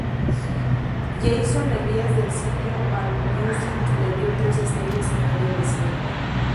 Jason Elias del sitio Allmusic le dio tres estrellas y media de cinco.